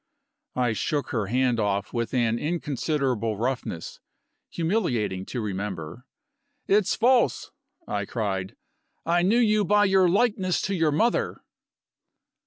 I shook her hand off with an inconsiderable roughness, humiliating to remember. "It's false!" I cried. "I knew you by your likeness to your mother."